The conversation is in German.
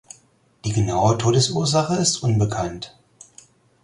Die genaue Todesursache ist unbekannt.